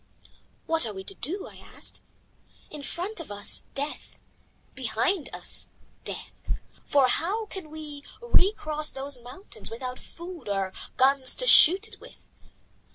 "What are we to do?" I asked. "In front of us death. Behind us death, for how can we recross those mountains without food or guns to shoot it with?